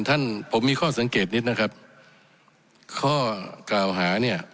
ท่านผมมีข้อสังเกตนิดนะครับข้อกล่าวหาเนี่ย